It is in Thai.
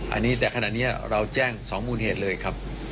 อันนี้แต่ขณะนี้เราแจ้ง๒มูลเหตุเลยครับ